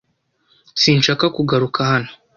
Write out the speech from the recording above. Sinshaka kugaruka hano.